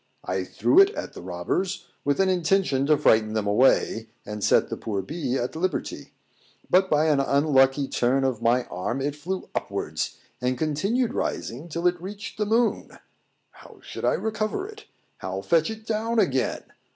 I threw it at the robbers, with an intention to frighten them away, and set the poor bee at liberty; but, by an unlucky turn of my arm, it flew upwards, and continued rising till it reached the moon. How should I recover it? how fetch it down again?